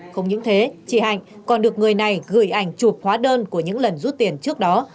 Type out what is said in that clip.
không những thế chị hạnh còn được người này gửi ảnh chụp hóa đơn của những lần rút tiền trước đó